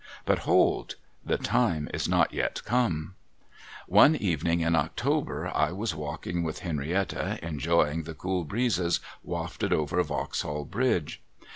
But hold ! The time is not yet come ! One evening in October I was walking with Henrietta, enjoying the cool breezes wafted over Yauxhall Bridge.